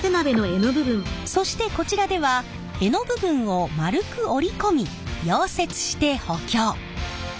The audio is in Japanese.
そしてこちらでは柄の部分を丸く折り込み溶接して補強。